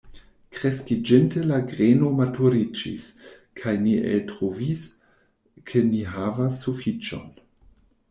Kreskiĝinte la greno maturiĝis, kaj ni eltrovis, ke ni havas sufiĉon.